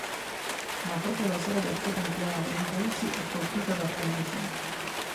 Ma proprio la sera del suo compleanno, Casey è colpita da appendicite.